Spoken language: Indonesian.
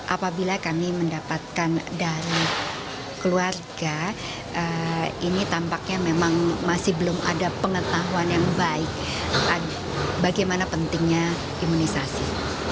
apabila kami mendapatkan dari keluarga ini tampaknya memang masih belum ada pengetahuan yang baik bagaimana pentingnya imunisasi